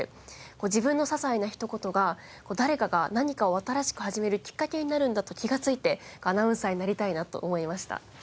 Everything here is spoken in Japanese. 自分の些細なひと言が誰かが何かを新しく始めるきっかけになるんだと気がついてアナウンサーになりたいなと思いました。